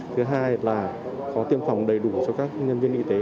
thứ hai là có tiêm phòng đầy đủ cho các nhân viên y tế